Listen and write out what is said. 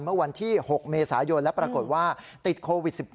เมื่อวันที่๖เมษายนและปรากฏว่าติดโควิด๑๙